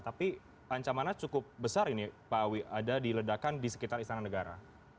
tapi ancamannya cukup besar ini pak awi ada di ledakan di sekitar istana negara